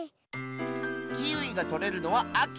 キウイがとれるのはあき。